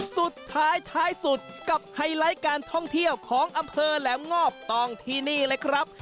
สุดท้ายท้ายสุดกับไฮไลท์การท่องเที่ยวของอำเภอแหลมงอบต้องที่นี่เลยครับ